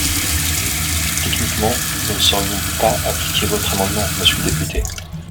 Techniquement, nous ne saurions pas appliquer votre amendement, monsieur le député.